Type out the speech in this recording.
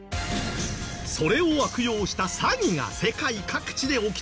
それを悪用した詐欺が世界各地で起きているんです。